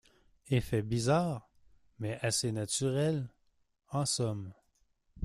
Effet bizarre, mais assez naturel, en somme.